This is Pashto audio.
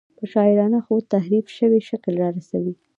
په شاعرانه خو تحریف شوي شکل رارسوي.